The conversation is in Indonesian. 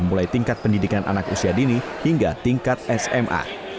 mulai tingkat pendidikan anak usia dini hingga tingkat sma